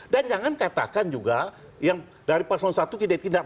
dan jangan katakan juga yang dari paslon satu tidak ditindak